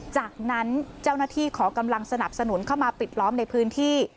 จากนั้นเจ้าหน้าที่ขอกำลังสนับสนุนเข้ามาปิดล้อมในพื้นที่